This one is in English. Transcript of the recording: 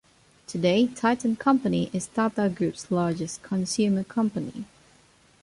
Today, Titan Company is Tata Group's largest consumer company.